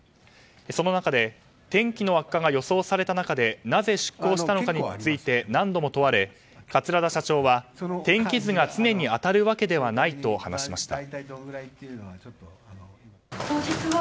その中で天気の悪化が予想された中でなぜ出港したのかについて何度も問われ、桂田社長は天気図が常に当たるわけではないと話しました。